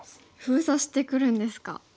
封鎖してくるんですか。